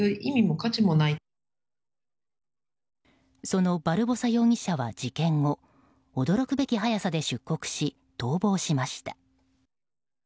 そのバルボサ容疑者は事件後驚くべき早さで出国し逃亡しました。